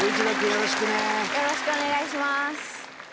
よろしくお願いします。